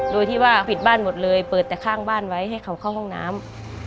โดยที่ว่าผิดบ้านหมดเลยเปิดแต่ข้างบ้านไว้ให้เขาเข้าห้องน้ำ